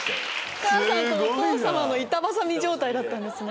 お母さんとお父さまの板挟み状態だったんですね。